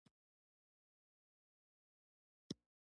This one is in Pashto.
خو تاسو يې يو لغت هم په پخواني فاشيزم کې نه پرېږدئ.